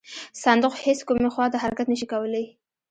صندوق هیڅ کومې خواته حرکت نه شي کولی.